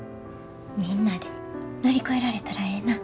みんなで乗り越えられたらええな。